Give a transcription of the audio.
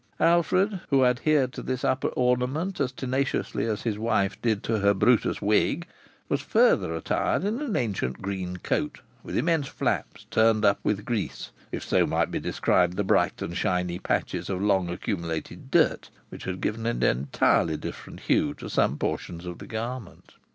Alfred, who adhered to this upper ornament as tenaciously as his wife did to her Brutus wig, was further attired in an ancient green coat, with immense flaps turned up with grease, if so might be described the bright and shiny patches of long accumulated dirt, which had given an entirely different hue to some portions of the garment.